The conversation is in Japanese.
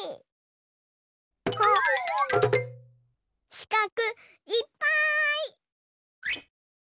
しかくいっぱい！